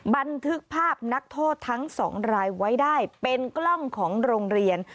บันทึกภาพนักโทษทั้งสองรายไว้ได้เป็นกล้องของโรงเรียน